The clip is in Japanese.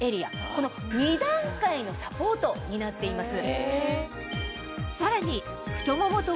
この２段階のサポートになっています。